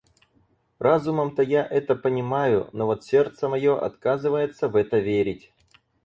Разумом-то я это понимаю, но вот сердце моё отказывается в это верить.